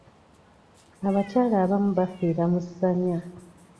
Abakyala abamu bafiira mu ssanya.